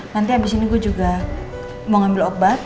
nanti abis ini gue juga mau ngambil obat